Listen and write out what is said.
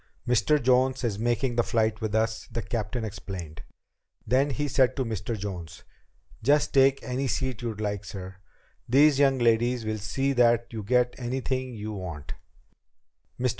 "Mr. Jones is making the flight with us," the captain explained. Then he said to Mr. Jones: "Just take any seat you like, sir. These young ladies will see that you get anything you want." Mr.